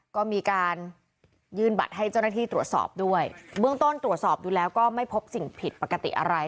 ก็มีการยื่นบัตรให้เจ้าหน้าที่ตรวจสอบด้วยเบื้องต้นตรวจสอบดูแล้วก็ไม่พบสิ่งผิดปกติอะไร